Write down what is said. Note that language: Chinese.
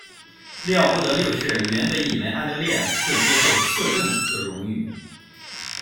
利奥波德六世原本以为安德烈会接受摄政这荣誉。